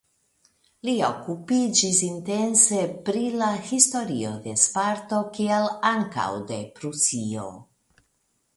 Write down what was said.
Li okupiĝis intense pri la historio de Sparto kiel ankaŭ de Prusio.